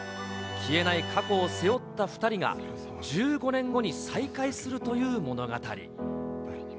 消えない過去を背負った２人が、１５年後に再会するという物語。